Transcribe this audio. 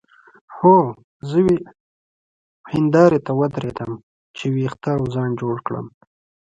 هو زه هندارې ته ودرېدم چې وېښته او ځان جوړ کړم.